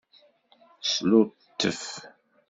Sluttef.